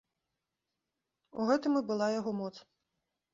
У гэтым і была яго моц.